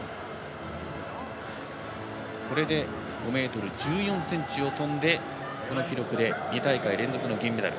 これで５ｍ１４ｃｍを跳んでこの記録で２大会連続の銀メダル。